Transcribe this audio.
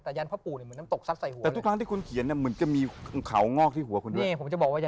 แต่ยันต์พ่อปู่เหมือนต่องสะใส่หัวเลย